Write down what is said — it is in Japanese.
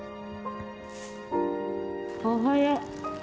おはよう。